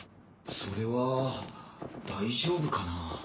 それは大丈夫かな。